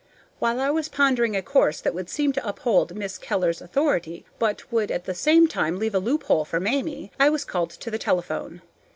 While I was pondering a course that would seem to uphold Miss Keller's authority, but would at the same time leave a loophole for Mamie, I was called to the telephone.